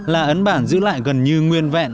là ấn bản giữ lại gần như nguyên vẹn